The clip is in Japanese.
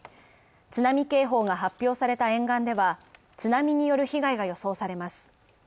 津波警報が発表された沿岸では、津波による被害が予想されます。